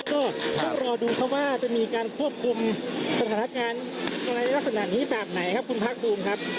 ก็ต้องรอดูครับว่าจะมีการควบคุมสถานการณ์ในลักษณะนี้แบบไหนครับคุณภาคภูมิครับ